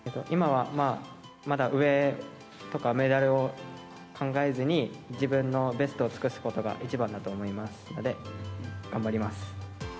今はまだ上とか、メダルを考えずに、自分のベストを尽くすことが一番だと思いますので、頑張ります。